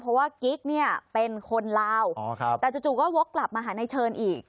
เพราะว่ากิ๊กเนี่ยเป็นคนลาวแต่จู่ก็วกกลับมาหาในเชิญอีก